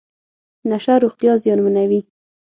نشه روغتیا زیانمنوي .